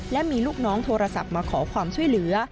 และมีลูกน้องโทรศัพท์มาขอความช่วยเหลือ